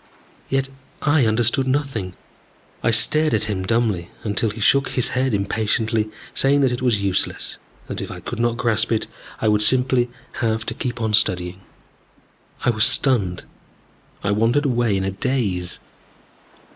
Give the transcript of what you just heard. Yet I understood nothing. I stared at him dumbly, until he shook his head impatiently, saying that it was useless, that if I could not grasp it I would simply have to keep on studying. I was stunned. I wandered away in a daze.